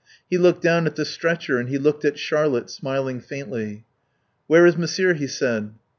He looked down at the stretcher and he looked at Charlotte, smiling faintly. "Where is Monsieur?" he said.